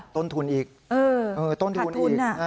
ต้นทุนอีกต้นทุนอีก